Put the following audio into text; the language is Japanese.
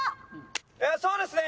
ええそうですね。